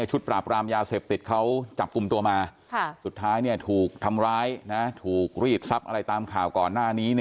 ชุดปราบรามยาเสพติดเขาจับกลุ่มตัวมาสุดท้ายถูกทำร้ายถูกรีดทรัพย์อะไรตามข่าวก่อนหน้านี้